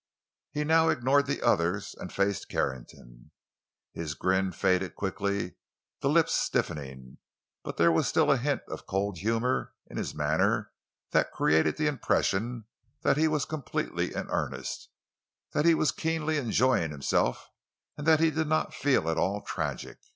He now ignored the others and faced Carrington. His grin faded quickly, the lips stiffening. But still there was a hint of cold humor in his manner that created the impression that he was completely in earnest; that he was keenly enjoying himself and that he did not feel at all tragic.